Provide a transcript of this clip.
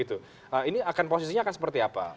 ini posisinya akan seperti apa